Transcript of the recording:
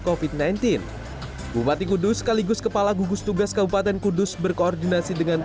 kofit sembilan belas bupati kudus sekaligus kepala gugus tugas kabupaten kudus berkoordinasi dengan